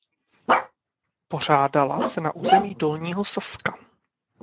Pořádala se na území Dolního Saska.